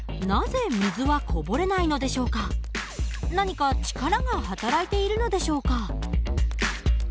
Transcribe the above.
では何か力が働いているのでしょうか？